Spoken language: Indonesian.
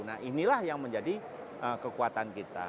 nah inilah yang menjadi kekuatan kita